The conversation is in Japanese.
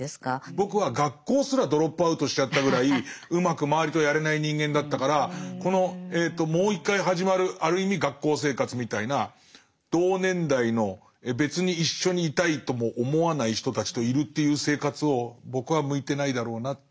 僕は学校すらドロップアウトしちゃったぐらいうまく周りとやれない人間だったからこのもう一回始まるある意味学校生活みたいな同年代の別に一緒にいたいとも思わない人たちといるっていう生活を僕は向いてないだろうなって。